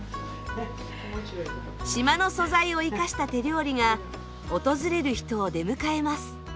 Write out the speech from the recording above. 島の素材を生かした手料理が訪れる人を出迎えます。